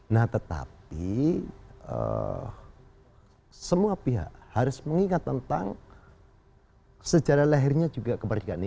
nah tetapi semua pihak harus mengingat tentang sejarah lahirnya juga kemerdekaan ini